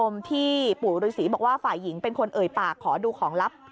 ไม่ได้คบ